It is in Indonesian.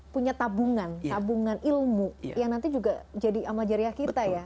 punya tabungan ilmu yang nanti juga jadi amal jariah kita ya